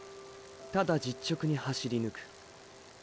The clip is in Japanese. ただ実直に走りぬく。